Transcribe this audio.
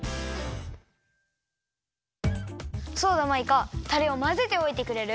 そうだマイカタレをまぜておいてくれる？